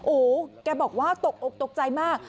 โอ้โหแกบอกว่าตกอกตกใจมาก